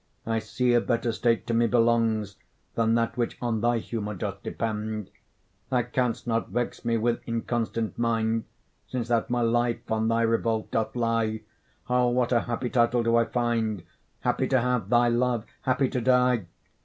I see a better state to me belongs Than that which on thy humour doth depend: Thou canst not vex me with inconstant mind, Since that my life on thy revolt doth lie. O! what a happy title do I find, Happy to have thy love, happy to die!